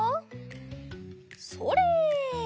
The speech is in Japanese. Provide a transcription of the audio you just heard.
それ！